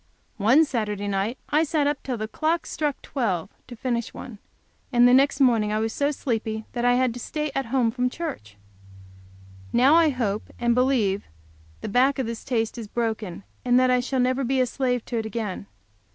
One Saturday night I sat up till the clock struck twelve to finish one, and the next morning I was so sleepy that I had to stay at home from church. Now I hope and believe the back of this taste is broken, and that I shall never be a slave to it again.